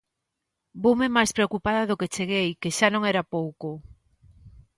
Voume máis preocupada do que cheguei, que xa non era pouco.